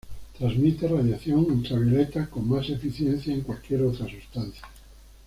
Transmite radiación ultravioleta con más eficiencia que cualquier otra sustancia.